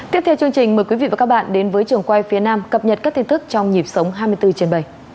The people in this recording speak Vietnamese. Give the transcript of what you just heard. tiếp theo chương trình mời quý vị và các bạn đến với trường quay phía nam cập nhật các tin tức trong nhịp sống hai mươi bốn trên bảy